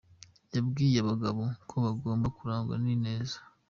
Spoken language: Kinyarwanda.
Yabwiye abagabo ko bagomba kurangwa n’ineza.